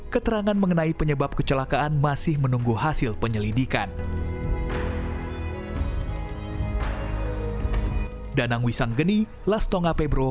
keterangan mengenai penyebab kecelakaan masih menunggu hasil penyelidikan